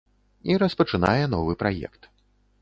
І распачынае новы праект.